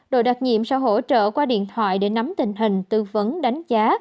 đội đặc nhiệm sẽ hỗ trợ qua điện thoại để nắm tình hình tư vấn đánh giá